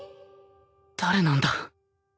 誰なんだ？